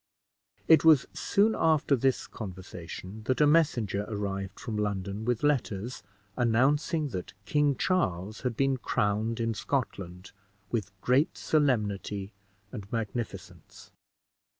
It was soon after this conversation that a messenger arrived from London with letters, announcing that King Charles had been crowned in Scotland, with great solemnity and magnificence.